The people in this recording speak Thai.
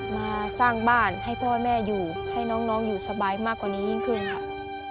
มาสร้างบ้านให้พ่อแม่อยู่ให้น้องอยู่สบายมากกว่านี้ยิ่งขึ้นค่ะ